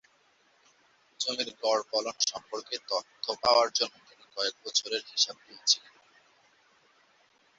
জমির গড় ফলন সম্পর্কে তথ্য পাওয়ার জন্য তিনি কয়েক বছরের হিসাব নিয়েছিলেন।